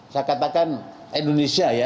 saya katakan indonesia ya